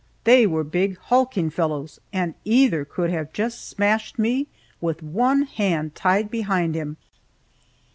They were big, hulking fellows, and either could have just smashed me, with one hand tied behind him.